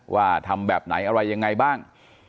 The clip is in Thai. ว่าทำแบบไหนอะไรยังไงบ้าง